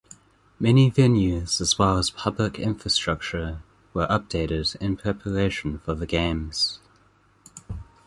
Many venues as well as public infrastructure were updated in preparation for the Games.